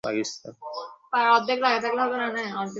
কিন্তু সভ্যতার সঙ্গে সঙ্গে শরীর দুর্বল হতে লাগল।